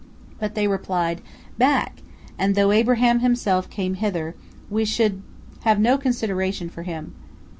But they replied: "Back! And though Abraham himself came hither, we should have no consideration for him.